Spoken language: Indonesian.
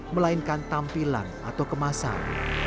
melainkan tampilan atau kemasan